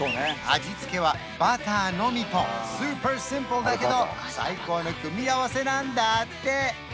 味付けはバターのみとスーパーシンプルだけど最高の組み合わせなんだって